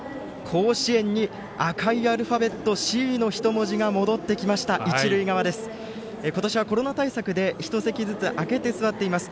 甲子園に赤いアルファベット「Ｃ」の人文字が戻ってきました、一塁側です。